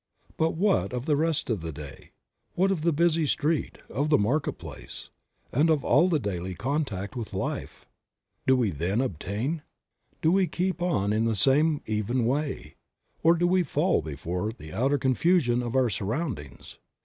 But what of the rest of the day; what of the busy street, of the market place, and of all the daily contact with life? Do we then obtain? Do we keep on in the same even way? Or do we fall before the outer confusion of our surroundings